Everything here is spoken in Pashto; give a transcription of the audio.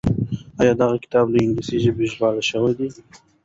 آيا دغه کتاب له انګليسي ژبې ژباړل شوی دی؟